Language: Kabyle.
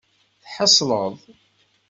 Tḥeṣleḍ?